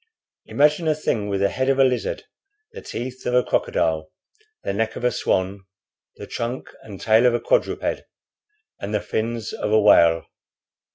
Imagine a thing with the head of a lizard, the teeth of a crocodile, the neck of a swan, the trunk and tail of a quadruped, and the fins of a whale.